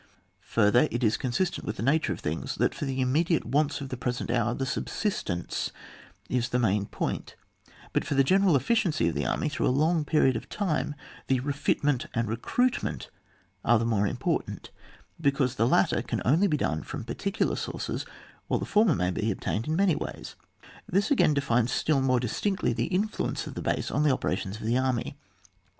Further it is consistent with the nature of thiligs that for the immediate wants of the present hour the suhnstence is the main point, but for the general efficiency of the army through a long period of time the refitment and recruitment are the more important, because the latter can only be done from, particular sources while the former may be obtained in many ways ; this again defines still more distinctly the influence of the base on the operations of the army.